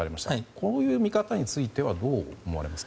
こういう見方についてはどう思われますか。